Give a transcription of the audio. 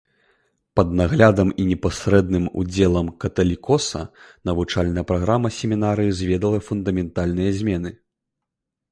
Пад наглядам і непасрэдным удзелам каталікоса навучальная праграма семінарыі зведала фундаментальныя змены.